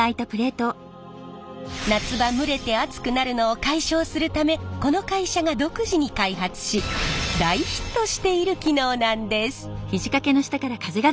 夏場蒸れて暑くなるのを解消するためこの会社が独自に開発し大ヒットしている機能なんです。